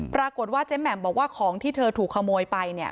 ปรากฏว่าเจ๊แหม่มบอกว่าของที่เธอถูกขโมยไปเนี่ย